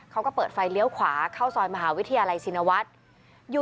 เขาก็เปิดไฟเลี้ยวขวาเข้าซอยมหาวิทยาลัยชินวัฒน์